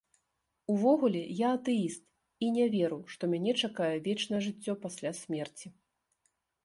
Увогуле, я атэіст і не веру, што мяне чакае вечнае жыццё пасля смерці.